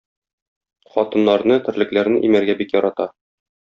Хатыннарны, терлекләрне имәргә бик ярата.